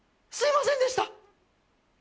すいませんでした！